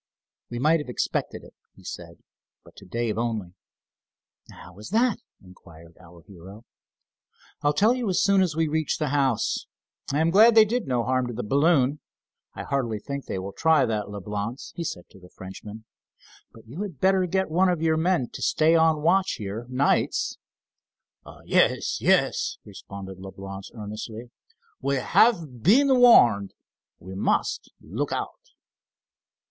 "We might have expected it," he said, but to Dave only. "How is that?" inquired our hero. "I'll tell you soon as we reach the house. I am glad they did no harm to the balloon. I hardly think they will try that, Leblance," he said to the Frenchman, "but you had better get one of your men to stay on watch here nights." "Yes, yes," responded Leblance earnestly. "We have been warned, we must look out."